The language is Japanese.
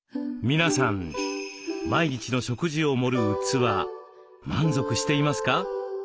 皆さん毎日の食事を盛る器満足していますか？